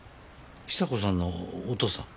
比佐子さんのお父さん。